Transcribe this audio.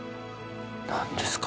何ですか？